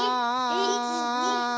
１２！